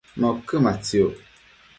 ma uquëmatsiuc?